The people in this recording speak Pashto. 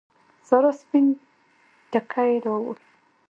سارا سپين ټکی راووړ.